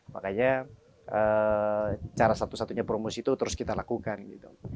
makanya cara satu satunya promosi itu terus kita lakukan gitu